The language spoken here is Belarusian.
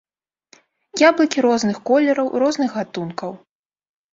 Яблыкі розных колераў, розных гатункаў.